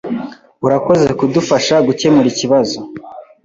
Urakoze kudufasha gukemura ikibazo.